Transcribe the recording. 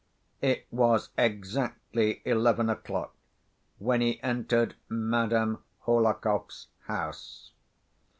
It was exactly eleven o'clock when he entered Madame Hohlakov's house.